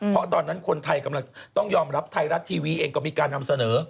เพราะตอนนั้นคนไทยกำลังต้องยอมรับไทยรัฐทีวีเองก็มีการนำเสนอ